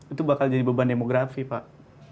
itu bakal jadi beban demografi pak